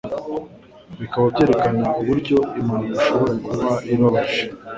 Bikaba byerekana uburyo impanuka ishobora kuba ibabaje.